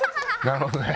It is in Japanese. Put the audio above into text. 「なるほどね」。